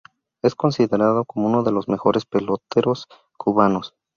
Es considerado como uno de los mejores peloteros cubanos.